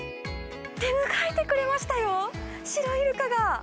出迎えてくれましたよ、シロイルカが。